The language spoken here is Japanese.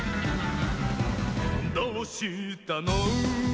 「どうしたの？